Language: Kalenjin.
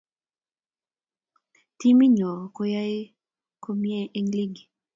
timit nyoo koyae komiei eng ligi